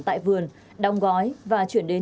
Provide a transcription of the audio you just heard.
tại vườn đong gói và chuyển đến